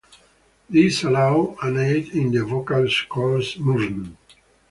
These allow and aid in the vocal cords' movement.